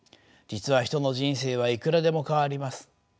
実は人の人生はいくらでも変わります。